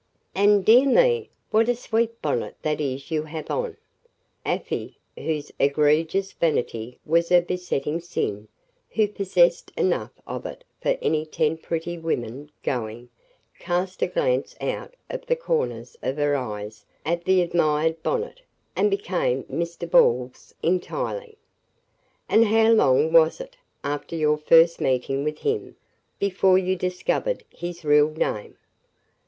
"And dear me! what a sweet bonnet that is you have on!" Afy, whose egregious vanity was her besetting sin who possessed enough of it for any ten pretty women going cast a glance out of the corners of her eyes at the admired bonnet, and became Mr. Ball's entirely. "And how long was it, after your first meeting with him, before you discovered his real name?"